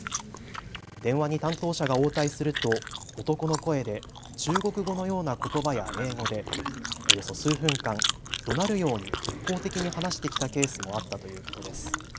電話に担当者が応対すると男の声で中国語のようなことばや英語でおよそ数分間どなるように一方的に話してきたケースもあったということです。